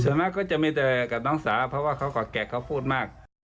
ส่วนมากก็จะมีแต่กับน้องสาวเพราะว่าเขาก็แก่เขาพูดมาก